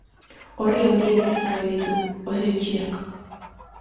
Orri horiak izan ohi ditu, oso itxiak.